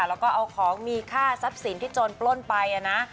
แล้วก็เอาของมีค่าทรัพย์สินที่โจรปล้นไปนะ